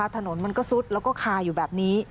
ถนนมันก็ซุดแล้วก็คาอยู่แบบนี้